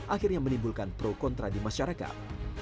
akhirnya menimbulkan pro kontra di masyarakat